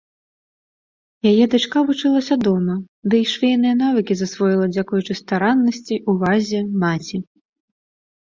Яе дачка вучылася дома, ды і швейныя навыкі засвоіла дзякуючы стараннасці, увазе маці.